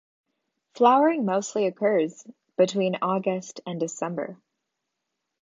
Flowering mostly occurs between August and December.